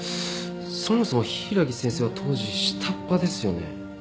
そもそも柊木先生は当時下っ端ですよね。